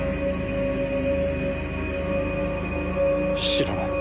知らない。